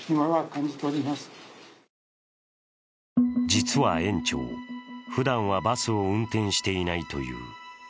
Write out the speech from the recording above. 実は園長、ふだんはバスを運転していないという。